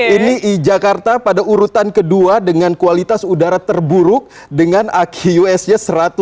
ini di jakarta pada urutan kedua dengan kualitas udara terburuk dengan aqs nya satu ratus lima puluh lima